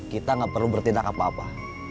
kita gak perlu bertindak apa apa